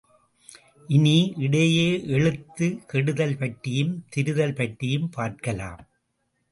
இனி, இடையே எழுத்து கெடுதல் பற்றியும் திரிதல் பற்றியும் பார்க்கலாம்.